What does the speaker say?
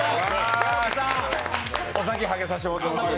お先、はげさせていただいてます。